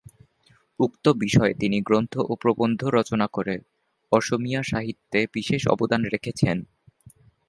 উক্ত বিষয়ে তিনি গ্রন্থ ও প্রবন্ধ রচনা করে অসমীয়া সাহিত্যে বিশেষ অবদান রেখেছেন।